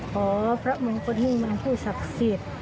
ขอพระมงคลมิ่งเมืองพูดศัพท์สิษฐ์